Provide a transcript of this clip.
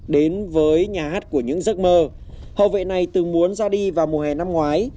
đến với nhà hát của những giấc mơ hậu vệ này từng muốn ra đi vào mùa hè năm ngoái